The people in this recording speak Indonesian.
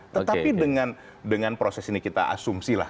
tetapi dengan proses ini kita asumsi lah